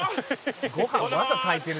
「ご飯まだ炊いてる」